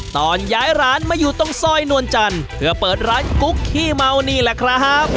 ตอนย้ายร้านมาอยู่ตรงซอยนวลจันทร์เพื่อเปิดร้านกุ๊กขี้เมานี่แหละครับ